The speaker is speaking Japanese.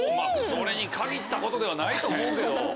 それに限ったことではないと思うけど。